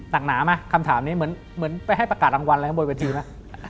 หนาไหมคำถามนี้เหมือนไปให้ประกาศรางวัลอะไรข้างบนเวทีไหม